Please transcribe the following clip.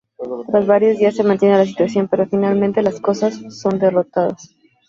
Tras varios días se mantiene la situación pero finalmente los cosacos son derrotados.